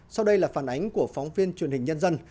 sau đây là phản ánh của phóng viên truyền hình nhân dân